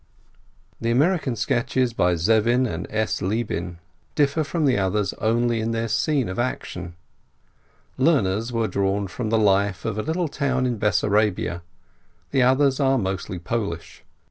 The American sketches by Zevin and S. Libin differ from the others only in their scene of action. Lerner's were drawn from the life in a little town in Bessarabia, the others are mostly Polish.